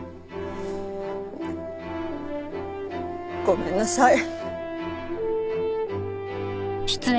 ごめんなさい。